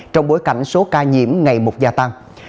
trong bối cảnh số ca nhiễm ngày một gia tăng